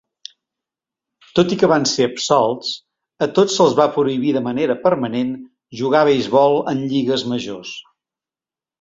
Tot i que van ser absolts, a tots se'ls va prohibir de manera permanent jugar a beisbol en lligues majors.